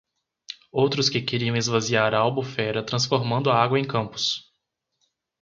Outros que queriam esvaziar a Albufera transformando a água em campos!